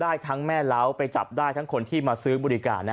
ได้ทั้งแม่เล้าไปจับได้ทั้งคนที่มาซื้อบริการ